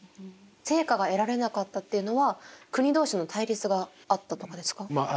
成果が得られなかったっていうのは国同士の対立があったとかですか？